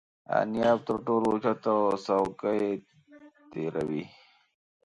انیاب تر ټولو اوچت او څوکه یې تیره وي.